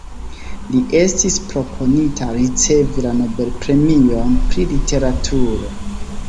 Li estis proponita ricevi la Nobel-premion pri literaturo.